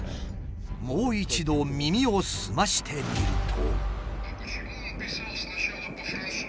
もう一度耳を澄ましてみると。